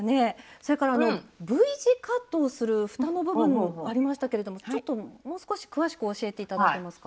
それからＶ字カットをするふたの部分もありましたけれどもちょっともう少し詳しく教えて頂けますか？